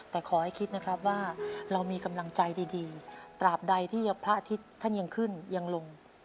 แต่ขอให้คิดนะครับว่าเรามีกำลังใจดีตราบใดที่พระอาทิตย์ท่านยังขึ้นยังลง